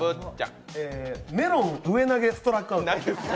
メロン上投げストラックアウト。